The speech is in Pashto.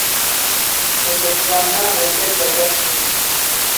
د تسوانا وضعیت بدل شو.